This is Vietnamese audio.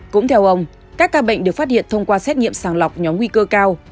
cũng theo ông các ca bệnh được phát hiện thông qua xét nghiệm sàng lọc nhóm nguy cơ cao